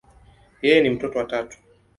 Yeye ni mtoto wa tatu.